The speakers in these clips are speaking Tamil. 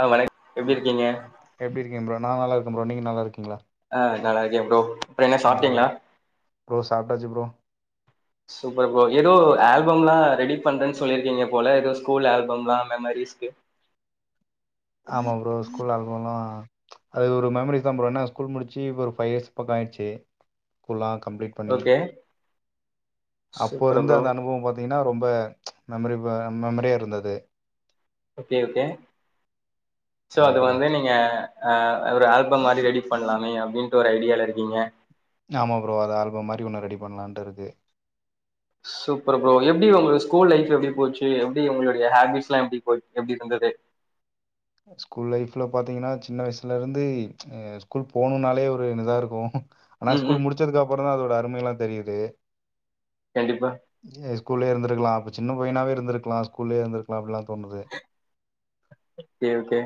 அ வணக் எப்டி இருக்கீங்க எப்டி இருக்கீங்க ப்ரோ நா நல்லா இருக்க ப்ரோ நீங்க நல்லா இருக்கீங்களா அ நல்லா இருக்கே ப்ரோ அப்புறம் என்ன ம் சாப்ட்டீங்களா ப்ரோ சாப்ட்டாச்சு [inaudible] சூப்பர் ப்ரோ எதோ ஆல்பம்லாம் ரெடி பண்றேனு சொல்லிருக்கீங்க போல ஏதோ ஸ்கூல் ஆல்பம்லாம் மெமரிஸ் ஆமா ப்ரோ ஸ்கூல் ஆல் பம்லாம் அது ஒரு மெமரிஸ் தா ப்ரோ ஏனா ஸ்கூல் முடிச்சு ஒரு ஃபைவ் இயர்ஸ் பக்க ஆயிடுச்சு ஃபுல்லா கம்ப்ளிட் ஓகே அப்போ சூப்பர் இருந்த ப்ரோ அந்த அனுபவம் பாத்தீங்கனா ரொம்ப மெமரிப் மெமரியா இருந்தது ஓகே ஓகே சோ அதா அது ப்ரோ வந்து நீங் க ஒரு ஆல்பம் மாதிரி ரெடி பண்ணலாமே அப்டின்ட்டு ஒரு ஐடியால இருக்கீங்க ஆமா ப்ரோ அத ஆல்பம் மாறி ஒன்னு ரெடி பண்ணலான்ட்டு இருக்கு சூப்பர் ப்ரோ எப்டி உங்க ஸ்கூல் லைஃப் எப்டி போச்சு எப்டி உங்களுடைய ஹேபிட்ஸ் எல்லா எப்டி எப்டி இருந்தது ஸ்கூல் லைஃப்ல பாத்தீங்கனா சின்ன வயசுலருந்து ஸ்கூல் போகணும்னாலே ஒரு இதா இருக்கும் ஆனா ம் ஸ்கூல் ம் முடிச்சதுக்கு அப்புறம் தா அதோட அருமைலா தெரியுது கண்டிப்பா ஸ்கூல்லயே இருந்துருக்கலா அப்ப சின்ன பையனாவே இருந்துருக்கலா ஸ்கூல்லயே இருந்துருக்கலா அப்டிலா தோணுது ஓகே ஓகே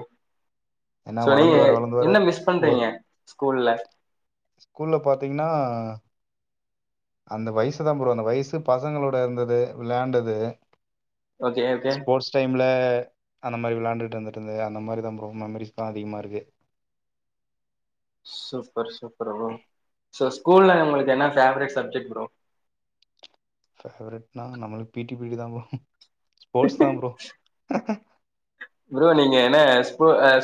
ஏன்னா சோ வளர்ந்து நீங்க வர வளர்ந்து வர என்ன மிஸ் ஓ பண்றீங்க ஸ்கூல்ல ஸ்கூல்ல பாத்தீங்கனா அந்த வயசு தா ப்ரோ அந்த வயசு பசங்களோட இருந்தது வெளாண்டது ஓகே ஓகே ஸ்போர்ட்ஸ் டைமில அந்த மாரி வெளாண்டுட்டு வந்துட்டுஇருந்தது அந்த மாரி தா ப்ரோ மெமரிஸ்தா அதிகமாக இருக்கு சூப்பர் சூப்பர் ஃப்ரோ சோ ஸ்கூல்ல உங்களுக்கு என்ன ஃபேவரேட் சப்ஜெக்ட் ஃப்ரோ பேவரட்னா நம்ளுக்கு பீட்டிபிரிடு தான் ஃப்ரோ‌ ஸ்போர்ட்ஸ் தான் ஃப்ரோ ஃப்ரோ நீங்க என்ன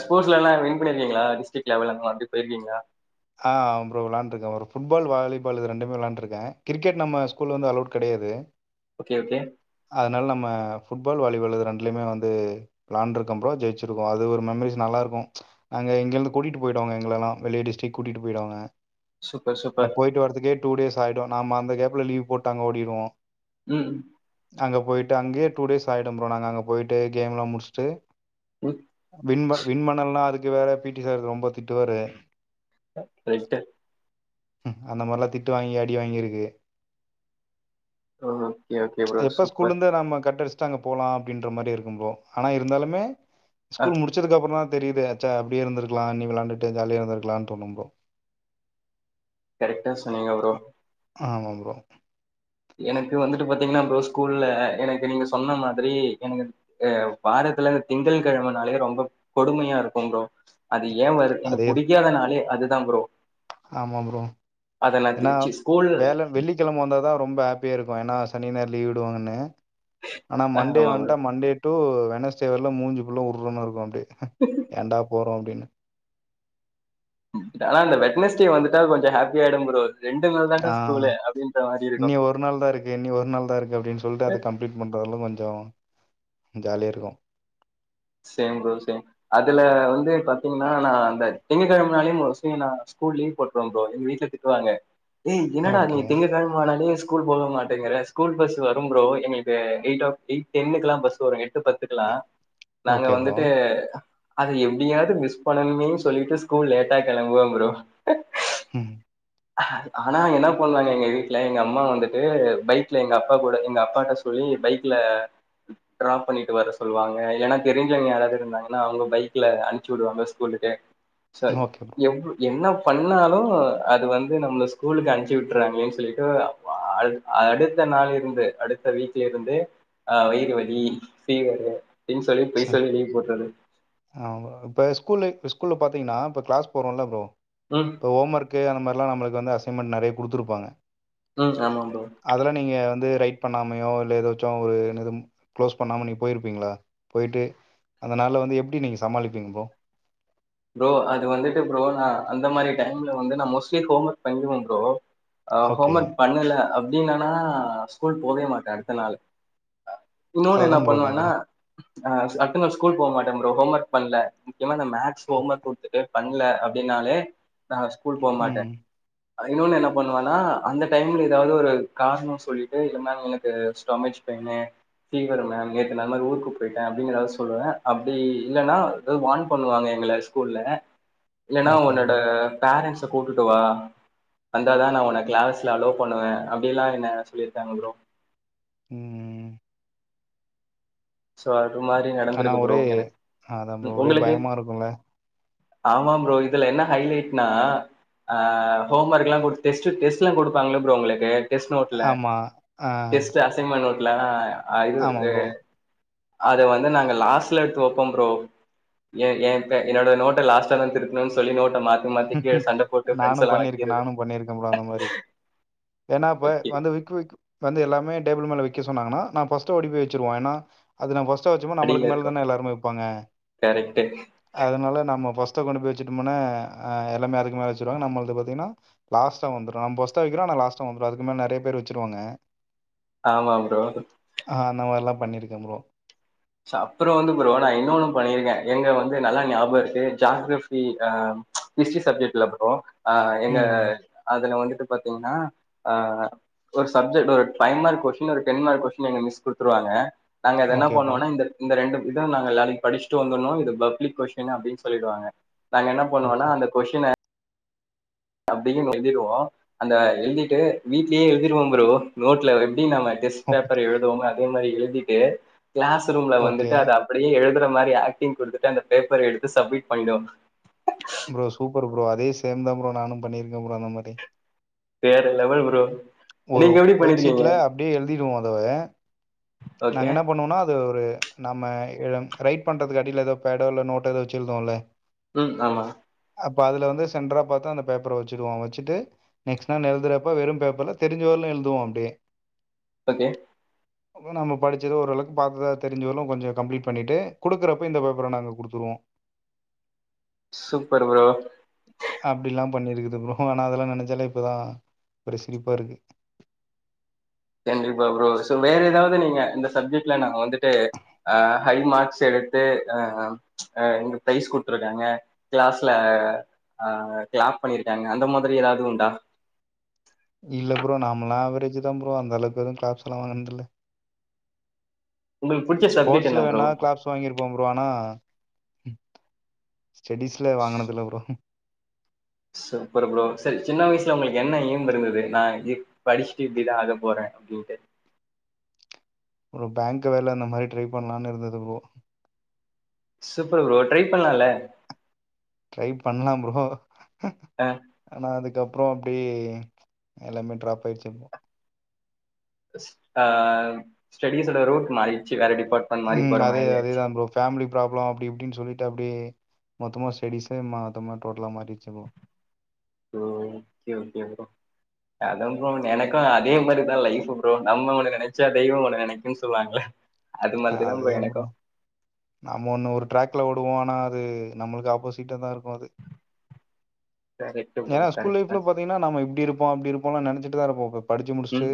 ஸ்போர்ட்ஸ்லல்லாம் வின் பண்ணிருக்கீங்களா டிஸ்டிக் லெவல் அந்த மாறி போயிருக்கீங்களா ஆஹ் ஃப்ரோ வெளாண்ருக்கேன் ஃப்ரோ ஃபுட்பால் வாலிபால் இது ரெண்டுமே விளான்ருக்கேன் கிரிக்கெட் நம்ம ஸ்கூ ல வந்து அலோட் கெடையாது ஓகே ஓகே அதனால நம்ம ஃபுட்பால் வாலிபால் இது ரெண்டுலயுமே வந்து வெளாண்ருக்கே ஃப்ரோ ஜெயிச்சிருக்கோம் அது ஒரு மெமரிஸ் நல்லா இருக்கும் அங்க இங்கேருந்து கூட்டிட்டு போயிட்வாங்க எங்களெல்லாம் வெளிய டிஸ்டிக் கூட்டிட்டு போய்டுவாங்க சூப்பர் ஆனா சூப்பர் போயிட்டு வர்ரதுக்கே டூடேஸ் ஆகிடும் நாம்ம அந்த கேப்ல லீவ் போட்டு அங்க ஓடிருவோம் ம் அங்கே போயி்ட்டு அங்கேயே டூடேஸ் ஆகிடும்‌ ஃப்ரோ நா அங்க போயி்ட்டு கேம்லாம் முடிச்சுட்டு ம் விண்ப விண்பண்ணலனா அதுக்கு வேற பீட்டி சார் ரொம்ப திட்டுவாரு [inaudible] அந்த மாறிலாம் திட்டு வாங்கி அடி வாங்கியிருக்கு ஓகே ஓகே ப்ரோ எப்ப ஸ்கூல்ல சூப்பர் இருந்து நாம்ம கட்டடிச்சு அங்க போலாம் அப்டின்ற மாறி இருக்கும்ஃப்ரோ ஆனா இருந்தாலுமே ஆ ஸ்கூல் முடிச்ச முடிச்சதுக்கு அப்பறம் தான்‌ தெரியுது ச்சே அப்டியே இருக்கலாம் நீ வெளாண்ட்டுட்டு ஜாலியா இருந்துருக்கலாம் தொழும்போ கரெக்டா சொன்னீங்க ப்ரோ ஆமா ப்ரோ எனக்கு வந்துட்டு பாத்தீங்கன்னா ப்ரோ‌ ஸ்கூல்ல எனக்கு நீங்க சொன்ன மாதிரி எனக்கு அ வாரத்துல இந்த திங்கள்கெழமனாலே ரொம்ப கொடுமையா இருக்கும் ப்ரோ அது ஏ வருது அதே எனக்கு புடிக்காதனாலே அதுதா ப்ரோ ஆமா ப்ரோ அத நா ஏன்னா திருச்சி ஸ்கூல் வேல வெள்ளி கெழம வந்தாதா ரொம்ப ஹாப்பியா இருக்கூ ஏன்னா சனி நாயறு லீ்வு விடுவாங்கன்னு ஆனா ஆ மண்டே ஆமா ப்ரோ வந்ட்டா மண்டே டு வென்ஸ்டே வரல மூஞ்சு ஃபுள்ளு உர்ருன்னு இருக்கூ அப்டியே ஏன்டா போறோ அப்டின்னு ஆனா அந்த வெட்னஸ் டே வந்துட்டா கொஞ்ச ஹாப்பி ஆயிடும் ப்ரோ ரெண்டு நாள் தான்டா ஆ ஸ்கூலு அப்டின்ற மாரி இருக்கூ இன்னி ஒரு நாள் தா இருக்கு இனி ஒரு நாள் தா இருக்கு அப்டின் சொல்ட்டு அத கம்ப்ளீட் பண்றதலா கொஞ்சோ ஜாலியா இருக்கூ சேம் ப்ரோ சேம் அதுல வந்து பாத்தீங்கன்னா நா அந்த திங்ககெழமனாலே மோஸ்லி நா ஸ்கூல் லீவ் போட்ருவ ப்ரோ‌ எங்க வீட்ல திட் ட்டுவாங்க டேய் என்னடா நீ ஓகே திங்ககெழம ஆனாலே ஸ் கூல் போக மாட்டேங்கிற ஸ்கூல் பஸ் வரும் ப்ரோ எங்களுக்கு எயிட் ஆப் எயிட் டென்னுக்கெல்லாம் பஸ் வரு எட்டு பத்துக்கெல்லா நாங்க ஓகே ப்ரோ வந்துட்டு அத எப்டியாவ்து மிஸ் பண்ணனுமேன்னு சொல்லிட்டு ஸ்கூல் லேட்டா கெளம்புவே ப்ரோ ம் ஆனா என்னா பண்ணுவாங்க எங்க வீட்ல எங்க அம்மா வந்துட்டு பைக்ல எங்க அப்பா கூட எங்க அப்பாட்ட சொ சொல்லி பைக்ல ட்ராப் பண்ணிட்டு வர சொல்லுவாங்க ஏன்னா தெரிஞ்சவுங்க யாராவ்து இருந்தாங்கன்னா அவுங்க பைக்ல அனுச்சு விடுவாங்க ஸ்கூலுக்கு சோ ஓகே ப்ரோ எவ் என்ன பண்ணாலு அது வந்து நம்மள ஸ்கூலுக்கு அணுஞ்சு விட்டுறாங்களேன் சொல்லிட்டு அழது அடுத்த நாள் இருந்து அடுத்த வீக்லே இருந்து ஆ வயிறு வலி ஃபீவரு அப்டின் சொல்லி பொய் சொல்லி லீவு போட்றது அ ப்ப ஸ்கூல் லைஃப் ஸ்கூல்ல பாத்தீங்கன்னா இப்ப க்ளாஸ் போறோல ப்ரோ அ இப்போ ஓமர்கு அந்த மார்லா நம்ளுக்கு வந்து அசைன்மெண்ட் நறைய குடுத்துருப்பாங்க ம் ஆமா ப்ரோ அதெல்லா நீங்க வந்து ரைட் பண்ணாமையோ இல்ல எதாச்சு ஒரு எதும் க்ளோஸ் பண்ணாம நீங்க போயிருப்பீங்களா போய்ட்டு அந்தனாள வந்து எப்டி நீங்க சமாளிப்பீங்க ப்ரோ ப்ரோ அது வந்துட்டு ப்ரோ நா அந்த மாரி டைம்ல வந்து நா மோஸ்ட்லி ஹோம் ஒர்க் பன்னிருவே ப்ரோ ஆ ஓகே ஹோம் ஒர்க் பண்ணல அப்டின்னனா ஸ்கூல் போவே மாட்டே அடுத்த நாளு இன்னொன்னு என்ன அததா ப்ரோ பண்ணுவேனா கேக்குறே அ அடுத்த நாள் ஸ்கூல் போ மாட்டே ப்ரோ ஹோம் ஒர்க் பண்ல முக்கியமா த்த மேக் ஹோம் ஒர்க் குடுத்துட்டு பண்ல அப்டினாலே நா ஸ்கூல் போ மாட்டே ம் அதா இன்னொன்னு என்னா பண்ணுவேன்னா அந்த டைம்ல எதாவ்து ஒரு காரணொ சொல்லிட்டு என்னா எனக்கு ஸ்டொமக் பெயினு ஃபீவரு மேம் நேத்து நா இந்த மாரி ஊருக்கு போயிட்டே அப்டிங்கிறத சொல்லுவே அப்டி இல்லன்னா அத வான் பண்ணுவாங்க எங்கள ஸ்கூல்ல இல்லன்னா ஓகே ப்ரோ. உன்னோட பேரன்ஸ்ச கூட்டுட்டு வா வந்தா தா நா ஒன்ன க்ளாஸ்ல அலோ பண்ணுவே அப்டிலா என்ன சொல்லிருக்காங்க ப்ரோ ம் சோ அது மாரி ஆனா நடந்திருக்கு ப்ரோ ஒரே அதான் ப்ரோ எனக் ஒரே உங்களுக்கு பயமா இருக்கும்ல. ஆமா ப்ரோ இதுல என்ன ஹைலைட்னா அ ஹோம் ஒர்க் எல்லா குடுத்து டெஸ்ட் டெஸ்ட்லா குடுப்பாங்கல்ல ப்ரோ உங்களுக்கு டெஸ்ட் நோட்ல ஆமா. ஆ டெஸ்ட்டு அசைமெண்ட் நோட்ல அ அ இது ஆமா ப்ரோ. அதை வந்து நாங்க லாஸ்ல்ல எடுத்து வெப்போம்ப்ரோ ஏ என்ன என்னோட நோட்ட லாஸ்டா தா திருத்தணுன்னு சொல்லி நோட்ட மாத்தி மாத்தி கீழ சண்ட போட்டு நானு ஃப்ரெண்ட்ஸ் எல்லா பண்ணிர்க்க வைக்கிறது நானு பண்ணிர்க்கம் ப்ரோ அந்த மாரி என்னா அப்ப ஓகே வந்து விக்கு விக்கு வந்து எல்லாமே டேபிள் மேல வக்க சொன்னாங்கன்னா நா பஸ்ட்ஓடி போ வச்சிருவே என்னா அது நா ஃபர்ஸ்ட்டா வச்சோமா நம்மளுக் அடியில மேல இருக்கு தான எல்லாருமே வெப்பாங்க கரெக்ட் அதுனால நம்ம பஸ்ட்ட கொண்டுபோய் வச்சுட்டோம்ன்னா அஎல்லாமே அதுக்கு மேலே வெச்சுருவாங்க நம்மல்து பாத்தீங்ன்னா லாஸ்டா வந்துரு அம்ப பஸ்டா வக்கிறோ லாஸ்டா வந்துரு அதுக்குமேல நெறைய பேரு வெச்சுருவாங்க ஆமாம் ப்ரோ அ அந்த மார்லா பண்ணிருக்கே ப்ரோ ச அப்ற வந்து புரோ நா இன்னொன்னு பண்ணியிருக்கே எங்க வந்து நல்லா ஞாபம் இருக்கு ஜாக்ரஃபி ஆ ஹிஸ்ட்ரி சப்ஜெட்ல ப்ரோ அ எங்க ம். அதுல வந்துட்டு பாத்தீங்கன்னா அ ஒரு சப்ஜெக்ட் ஒரு ஃபைவ் மார்க் கொஸ்ஷின் ஒரு டென் மார்க் கொஸ்ஷின் எங்க மிஸ் குடுத்துருவாங்க நாங்க எதனா ஓகே ப்ரோ. இந்த இந்த ரெண்டு இத நாங்க எல்லாருக்கும் படிச்சுட்டு வந்தரனும் இது பப்லிக் கொஸ்டின்னு அப்டின்னு சொல்லிடுவாங்க நாங்க என்ன பண்ணுவோன்னா ஓகே. அந்த கொஸ்ஷின்ன அப்டின்னு எழுதிருவோ அந்த எழ்திட்டு வீட்லே எழுதிர்வோம் ப்ரோ நோட்ல எப்டி நம டெஸ் பேப்பர் எழுதுவோமொ அதே மாரி எழுதிட்டு கிளாஸ் ரூம்ல ஓகே. வந்துட்டு அத அப்புடியே எழுதுற மாரி ஆக்டிங் குடுத்துட்டு அந்த பேப்பர எடுத்து சப்மிட் பண்ணிடுவ ப்ரோ சூப்பர் ப்ரோ அதே சேம் தாம்ப்ரோ நானு பண்ணிருக்கே ப்ரோ அந்த மாரி வேற லெவல்ப்ரோ ஒரு ஒயிட்ஷீட்ல அப்டே எழுதிடுவோ அத ஓகே நாங்க என்ன பண்ணுவோன்னா அத ஒரு நம்ம எ ரைட் பண்றதுக்கடில எதோ பேடோ இல்ல நோட்டோ எதோ வச்சு எழுதுவோல்ல ம் ஆம்மா அப்ப அதுல வந்து சென்ட்றரா பாத்தா அந்த பேப்பர வச்சுடுவோ வச்சுட்டு நெஸ்ட் நாள் எழுதுறப்ப வெறு பேப்பர்ல தெரிஞ்சவர்லு எழுதுவோ அப்டே ஓக்கே அப்றம் நம்ம படிச்சத ஓரளவுக்கு பாத்தா தெரிஞ்சவர்ளு கொஞ்சொ கம்ப்ளிட் பண்ணிட்டு குடுக்கறப்ப இந்த பேப்பர நாங்க குடுத்துருவோ சூப்பரு புரோ அப்டிலாம் பண்ணிருக்குது ப்ரோ ஆன்னா அதெல்லா நெனச்சாலே இப்ப தா ஒரு சிரிப்பா இருக்கு கண்டிப்பா ப்ரோ சோ வேற எதாவ்து நீங்க இந்த சப்ஜெட்ல நா வந்துட்டு அ ஹை மார்க்ஸ் எடுத்து அ அ எங்க ப்ரெய்ஸ் குடுத்துருக்காங்க கிளாஸ்ல ஆ கிளாப் பண்ணிருக்காங்க அந்த மாதிரி எதாவ்து உண்டா இல்ல ப்ரோ நாம்மள்ளா அவரேஜ் தா ப்ரோ அந்தளவுக்கு எதூ கிளாப்ஸ்லா வாங்கன்துல்ல உங்களுக்கு பிடிச்ச சப்ஜெக்ட் ஸ்போ்ட்ஸ்ல்ல என்ன ப்ரோ வேன்ணா கிளாப்ஸ் வாங்கிருப்போ ப்ரோ அனா ஸ்டெடிஸ்ல வாங்குனதுல்ல ப்ரோ சூப்பரு ப்ரோ செரி சின்ன வய்ஸ்ல உங்களுக்கு என்ன எய்ம் இருந்துது நா இப் படிச்சுட்டு இப்படிதா ஆக போறே அப்டின்ட்டு ஒரு பேங்க்கு வேல இந்த மாரி ட்ரை பண்ணலான்னு இருந்தது ப்ரோ சூப்பரு ப்ரோ ட்ரை பண்ணலால்ல ட்ரைபண்லா ப்ரோ அ ஆனா அதுக்கப்றோ அப்டே எல்லாமே ட்ராப் ஆய்ட்ச்சு ப்ரோ அ ஸ்டடிஸ்ஓட ரூட் மாறிட்ச்சு வேற டிபார்ட் ம் அதே அதேதா ப்ரோ ஃபேமிலி ப்ராப்ளோ அப்டி இப்டின் சொல்லிட்டு அப்டியே மொத்தமா ஸ்டடீஸே மோத்தமா டோட்டலா மாரிச்சு ப்ரோ ஓகே ஓகே ப்ரோ அதா ப்ரோ எனக்கோ அதே மாரிதா லைஃப்பு ப்ரோ நம்ம ஒன்னு நெனச்சா தெய்வோ ஒன்னு நெனை க்கு சொல்லுவாங்களே அது மாரி தா ப்ரோ எனக்கோ நம்ம ஒன்னு ஒரு ட்ரக்ல ஓடுவோ ஆனா அது நம்மளுக்கு ஆப்போசிட்டா தா இருக்கோ அது கரெக்ட் ப்ரோ ஏன்னா ஸ்கூல் கரெக்டா லைஃப்ல பாத்தீங்கன்னா நம்ம இப்டி இருப்போ அப்டி இருப்போனு நெனச்சிட்டு தா இருப்போ படிச்சு ம் முடிச்சுட்டு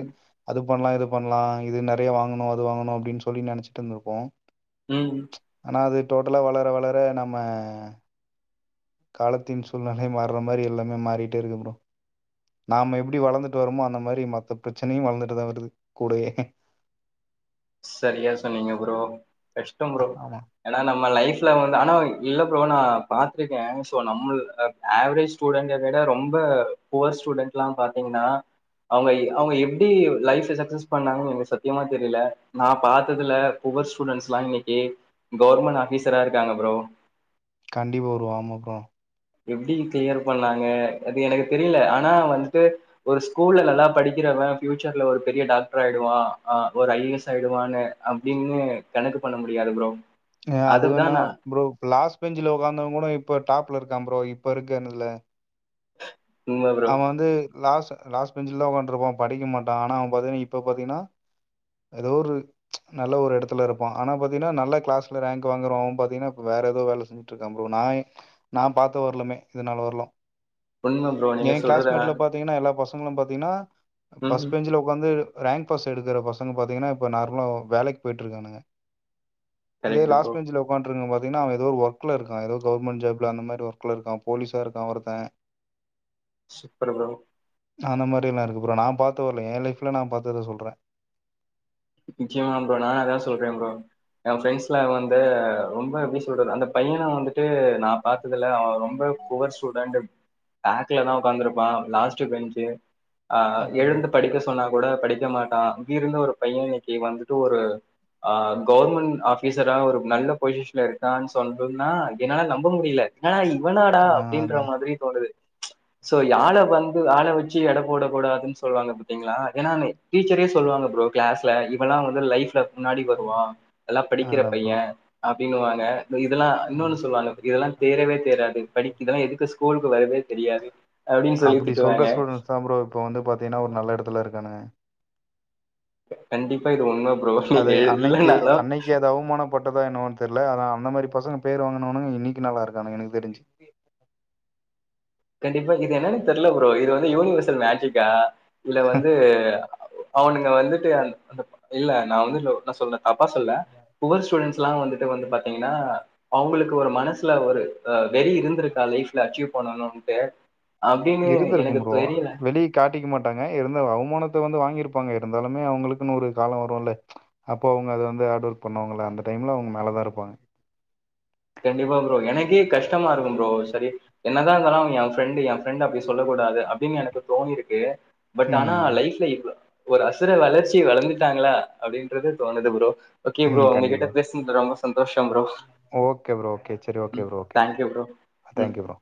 அது பண்லா இது பண்லா இது நறையா வாங்கணு அது வாங்கணு அப்டின்னு சொல்லி நெனச்சிட்டுந்துருப்போ ம் ஆனா அது டோட்டலா வளர வளர நம்ம காலத்தின் சூழ்நிலை மார்ற மாரி எல்லாமே மாறிட்டே இருக்கு ப்ரோ நாம எப்டி வளந்துட்டு வரோமோ அந்த மாரி மத்த பிரச்சனையு வளந்துட்டு தா வருது கூடயே சரியா சொன்னீங்க ப்ரோ கஷ்டோ ப்ரோ ஆமா எல்லா நம்ம லைஃப்ல வந்து ஆனா இல்ல ப்ரோ நா பாத்து கே சோ நம்முள் அ ஆவ்ரேஜ் ஸ்டூடெண்ட விட ரொம்ப புவர் ஸ்டூடெண்ட்லா பாத்தீங்கன்னா அவங்க அவங்க எப்டி லைஃப்ல சக்சஸ் பண்ணாங்கன்னு என்கு சத்தியமா தெரில நா பாத்ததுல புவர் ஸ்டூடெண்ட்ஸ்லா இன்னைக்கு கவர்மெண்ட் ஆஃபீஸரா இருக்காங்க ப்ரோ கண்டிப்பா ப்ரோ ஆமா ப்ரோ எப்டி கிளியர் பண்ணாங்க அது எனக்கு தெரில ஆனா வந்துட்டு ஒரு ஸ்கூல்ல நல்லா படிக்கிறவ ஃபியூச்சர்ல ஒரு பெரிய டாக்டர் ஆயிடுவா அ ஒரு ஐ ஏ எஸ் ஆயிடுவான்னு அப்டின்னு கணக்கு பண்ண முடியாது ப்ரோ அ அது அதுதா வேணா நா ப்ரோ லாஸ் பெஞ்ச்ல உக்காந்தவங்கூட இப்ப டாப்ல இருக்கா ப்ரோ இப்ப இருக்க இதுல உண்ம ப்ரோ அவ வந்து லாஸ் லாஸ்ட் பெஞ்ச்ல தா உக்கான்ருப்பா படிக்க மாட்டா ஆனா அவ பாத்தின்னா இப்ப பாத்தீங்கன்னா ஏதோ ஒரு நல்ல ஒரு எடத்துல இருப்பா ஆனா பாத்திங்கன்னா நல்லா கிளாஸ்ல ரேங்க் வாங்குரவ பாத்தீங்கன்னா இப்ப வேற ஏதோ வேல செஞ்சு ட்டுருக்கா ப்ரோ நா இ நா பாத்த வருலுமே இதுனால வருலு உண்ம ப்ரோ எ நீங்க சொல்றது கிளாஸ்மேட்ல பாத்தீங்கன்னா எல்லா பசங்களு பாத்தீங்கன்னா ம் ஃபஸ்ட் பெஞ்ச்ல இப்ப வந்து ரேங்க் பாஸ் எடுக்குற பசங்க பாத்தீங்கன்னா இப்ப நார்மலா வேலைக்கு போயிட்டு இருக்கானுங்க இதே கரெக்ட் லாஸ்ட் ப்ரோ பெஞ்சுல உக்காண்ட்டு இருக்கவ பாத்தீங்கன்னா அவ ஏதோ ஒர்க்ல இருக்கா ஏதோ கவர்மெண்ட் ஜாப்ல அந்த மாரி ஒர்க்ல இருக்கா போலீஸா இருகா ஒருத்த [inaudible] சூப்பர் ப்ரோ அந்த மாரி இல்லா இருக்கு ப்ரோ நா பாத்த வரலு எ லைஃப்ல நா பாத்தத சொல்றே நச்சியமா ப்ரோ நானு அதா சொல்றே ப்ரோ எ ஃப்ரெண்ட்ஸலா வந்து ரொம்ப எப்டி சொல்றது அந்த பையன வந்துட்டு நா பாத்ததுல அவ ரொம்ப புவர் ஸ்டூடண்ட் பேக்ல தா உக்காந்துருப்பா லாஸ்ட்டு பெஞ்சு ஆ அதா ப்ரோ எழுந்து படிக்க சொன்னா கூட படிக்க மாட்டா இப்டி இருந்த ஒரு பைய இன்னைக்கு வந்துட்டு ஒரு ஆ கவுவர்மெண்ட் ஆஃபீசரா ஒரு நல்ல பொசிஷன்ல இரு க்கான் சொல்லுனுனா என்னால நம்ப முடியில ஏன்னா இவ நாடா ஆ அப்டின்ற அதா மாதிரி தோணுது சோ யாழ வந்து ஆள வெச்சு எட போடக்க கூடாதுன் சொல்லுவாங்க பாத்தீங்களா ஏனா நீ டீச்சரே சொல்லுவாங்க ஃப்ரோ கிளாஸ்ல இவெல்லா வந்து லைஃப்ல முன்னாடி வருவா நல்லா படிக்கிற அதா ப்ரோ பைய அப்டின்னுவாங்க தோ இதெல்லா ஆ இன்னொன்னு சொல்லுவாங்க இதெல்லா ஆ தேரவே தேராது படிக்குதா எதுக்கு ஸ்கூலுக்கு வருது தெரியாது அப்டின்னு சொல்லி திட்டுவாங்க அதா ஃப்ரோ இப்ப வந்து பாத்திங்கன்னா ஒரு நல்ல எடத்துல இருக்காங்க கண்டிப்பா இது உண்ம ஃப்ரோ அது அன்னைக்கி அன்னைக்கு அது அவுமான போட்டதா என்னவோன் தெர்ல அனா அந்த மாரி பசங்க பேர் வாங்குனவனுங்க இன்னிக்கி நல்லார்கானுங்க எனக்கு தெரிஞ்சு கண்டிப்பா இதேல தெர்ல ஃப்ரோ இது வந்து யூனிவர்சல் மேஜிக்கா இல்ல வந்து அவனுங்க வந்துட்டு இல்ல நா வந்து டவ்டா சொல்ல தப்பா சொல்ல‌ ஓல்டு ஸ்டூடெண்ட் டுலா வந்துட்டு வந்து பாத்தீங்னா அவுங்ளுக்கு ஒரு மனசுல ஒரு அ வெறி இருந்திருக்கா லைஃப்ல அச்சீவ் பண்ணணுன்ட்டு அப்டினு எனக்கு தெரியில காட்டிக் மாட்டாங்க இருந்த அவமானத்த வந்து வாங்கிருப்பாங்க இருந்தாலுமே அவுங்களுக்குன் ஒரு காலோ வருல அப்போ அவுங்க அதுவந்து ஆர்ட் ஒர்க பண்ணுவாங்கல அந்த டைம்ல அவுங்க மேல தா இருப்பாங்க கண்டிப்பா ஃப்ரோ எனக்கே கஷ்டமா இருக்கு ஃப்ரோ சரி என்னதா இருந்தாலு அவ எ ஃப்ரெண்டு எ ஃப்ரெண்ட அப்டி சொல்ல கூடாது அப்டின் எனக்கு தோணிருக்கு பட் ஆனா ம். லைஃப்ல இப் ஒரு அசுர வளர்ச்சி வளர்ந்துட்டாங்ளா அப்டின்றது தோணுது ஃப்ரோ ஓகே ஃப்ரோ ம். உங்க கிட்ட கண்டிப்பா. பேசின்து ரொம்ப சந்தோஷ ஃப்ரோ ஓகே ஃப்ரோ ஓகே சரி okay bro okay thank you bro ம் தேங்க் யூ ஃப்ரோ